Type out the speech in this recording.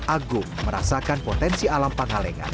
agung merasakan potensi alam pangalengan